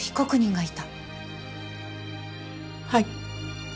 はい。